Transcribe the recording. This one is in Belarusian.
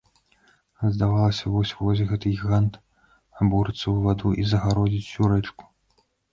Здавалася, вось-вось гэты гігант абурыцца ў ваду і загародзіць усю рэчку.